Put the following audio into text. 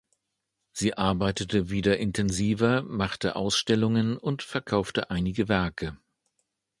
Sie arbeitete wieder intensiver, machte Ausstellungen und verkaufte einige Werke.